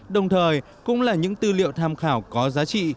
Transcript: đồng thời cũng là những tư liệu tham khảo có giá trị